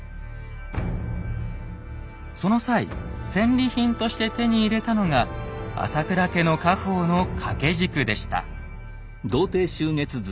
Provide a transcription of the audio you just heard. その際戦利品として手に入れたのが朝倉家の家宝の掛け軸でした。